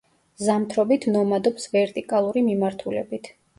ზამთრობით ნომადობს ვერტიკალური მიმართულებით.